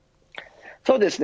そうですね